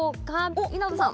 おっ稲田さん。